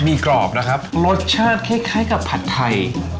มีกรอบนะครับรสชาติคล้ายกับผัดไทย